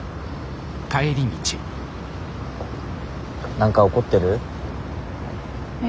何か怒ってる？え？